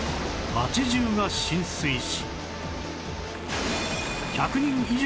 街じゅうが浸水し